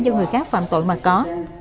do người khác phạm tội mà có